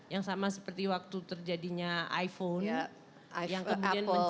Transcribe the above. yang sama seperti waktu terjadinya iphone